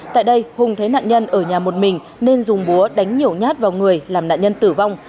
tại đây hùng thấy nạn nhân ở nhà một mình nên dùng búa đánh nhiều nhát vào người làm nạn nhân tử vong